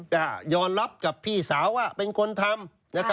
โดยย่องรับพี่สาวว่าเป็นคนทำ